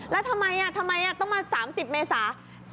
แล้วทำไมทำไมต้องมา๓๐เมษา